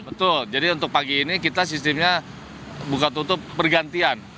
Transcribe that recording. betul jadi untuk pagi ini kita sistemnya buka tutup bergantian